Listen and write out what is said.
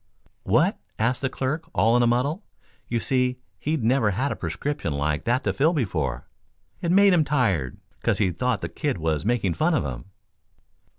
'" "'What?' asked the clerk all in a muddle. You see, he'd never had a prescription like that to fill before. It made him tired, 'cause he thought the kid was making fun of him."